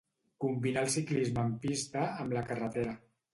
Combinà el ciclisme en pista, amb la carretera.